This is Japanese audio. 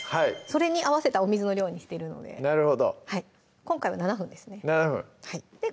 それに合わせたお水の量にしてるので今回は７分ですねで